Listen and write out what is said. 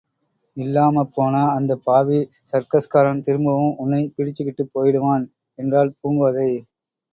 இல்லாமப் போனா அந்தப் பாவி சர்க்கஸ்காரன் திரும்பவும் உன்னைப் பிடிச்சிக்கிட்டுப் போயிடுவான்! என்றாள் பூங்கோதை.